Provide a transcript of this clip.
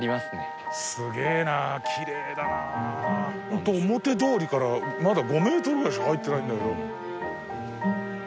本当表通りからまだ５メートルぐらいしか入ってないんだけど。